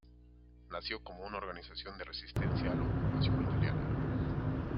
Nació como una organización de resistencia a la ocupación italiana.